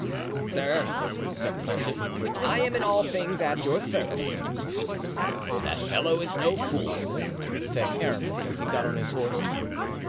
"Sir," said Planchet, "I am in all things at your service." "That fellow is no fool," said Aramis, as he got on his horse.